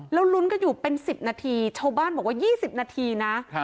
แล้วลุ้นกันอยู่เป็น๑๐นาทีชาวบ้านบอกว่า๒๐นาทีนะ